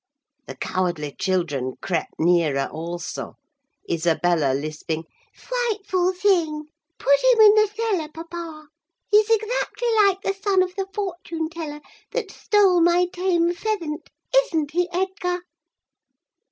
The cowardly children crept nearer also, Isabella lisping—'Frightful thing! Put him in the cellar, papa. He's exactly like the son of the fortune teller that stole my tame pheasant. Isn't he, Edgar?